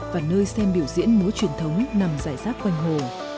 và nơi xem biểu diễn múa truyền thống nằm giải rác quanh hồ